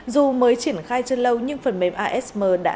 dù mới triển khai chân lâu nhưng phần mềm asm đã vượt qua